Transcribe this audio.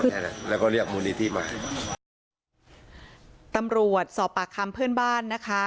นั่นแหละแล้วก็เรียกมูลนิธิมาตำรวจสอบปากคำเพื่อนบ้านนะคะ